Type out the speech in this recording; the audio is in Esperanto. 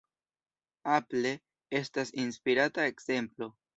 Apple estas inspiranta ekzemplo.